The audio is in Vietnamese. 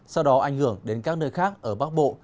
sau đó ảnh hưởng đến các nơi khác ở bắc bộ